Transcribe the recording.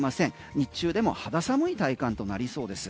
日中でも肌寒い体感となりそうです。